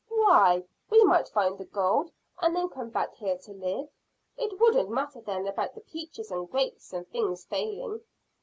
"Why? We might find the gold, and then come back here to live. It wouldn't matter then about the peaches and grapes and things failing."